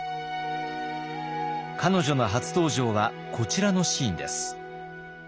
彼女の初登場はこちらのシーンです。